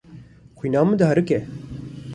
Xwîna min diherike.